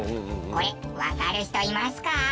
これわかる人いますか？